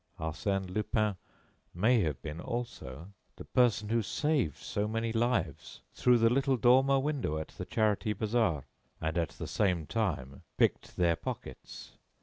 Arsène Lupin may have been, also, the person who saved so many lives through the little dormer window at the Charity Bazaar; and, at the same time, picked their pockets."